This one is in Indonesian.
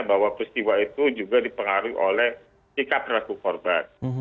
bahwa peristiwa itu juga dipengaruhi oleh sikap pelaku korban